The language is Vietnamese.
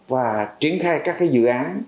và triển khai các cái dự án